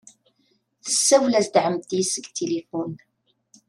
Tessawel-as-d Ɛemti-s seg tilifun.